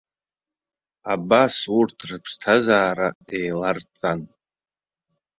Абас, урҭ рыԥсҭазара еиларҵан.